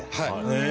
へえ。